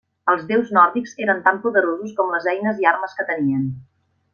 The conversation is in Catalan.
Els déus nòrdics eren tan poderosos com les eines i armes que tenien.